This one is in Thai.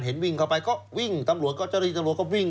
วิ่งเข้าไปก็วิ่งตำรวจก็เจ้าหน้าที่ตำรวจก็วิ่ง